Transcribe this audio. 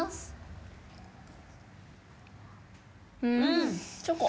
うん。